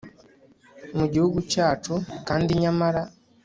Mu gihugu cyacu kandi nyamara